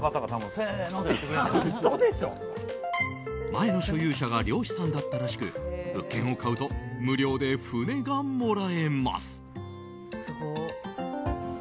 前の所有者が漁師さんだったらしく物件を買うと無料で船がもらえます。